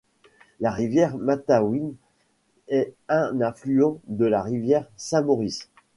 La rivière Matawin est un affluent de la rivière Saint-Maurice.